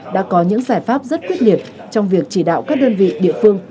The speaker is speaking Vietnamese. đã có những giải pháp rất quyết liệt trong việc chỉ đạo các đơn vị địa phương